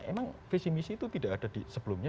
emang visi misi itu tidak ada di sebelumnya